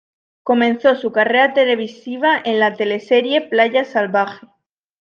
Comenzó su carrera televisiva en la teleserie "Playa Salvaje".